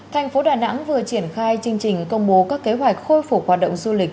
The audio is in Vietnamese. thành phố đà nẵng vừa triển khai chương trình công bố các kế hoạch khôi phục hoạt động du lịch